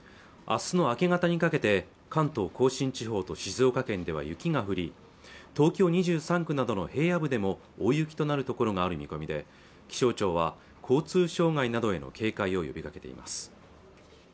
あすの明け方にかけて関東甲信地方と静岡県では雪が降り東京２３区などの平野部でも大雪となる所がある見込みで気象庁は交通障害などへの警戒を呼びかけています